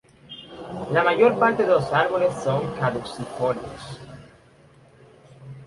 La mayor parte de los árboles son caducifolios.